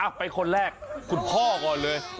ไปคนแรกคุณพ่อก่อนเลย